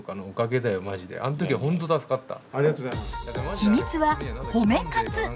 秘密は褒め活。